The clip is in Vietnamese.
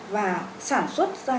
và sản xuất ra